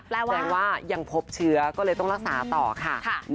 แสดงว่ายังพบเชื้อก็เลยต้องรักษาต่อค่ะ